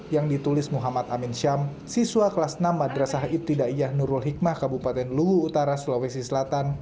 yang ditulis muhammad amin syam siswa kelas enam madrasah ibtidaiyah nurul hikmah kabupaten luwu utara sulawesi selatan